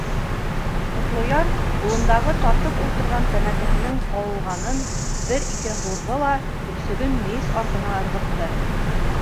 Ҡотлояр ҡулындағы тартып ултырған тәмәкеһенең ҡалғанын бер-ике һурҙы ла төпсөгөн мейес артына ырғытты.